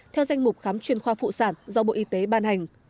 theo danh mục khám chuyên khoa phụ sản do bộ y tế ban hành